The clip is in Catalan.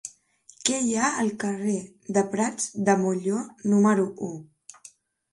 Què hi ha al carrer de Prats de Molló número u?